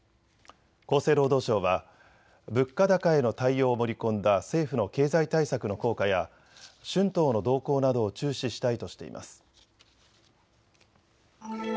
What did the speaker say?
厚生労働省は物価高への対応を盛り込んだ政府の経済対策の効果や春闘の動向などを注視したいとしています。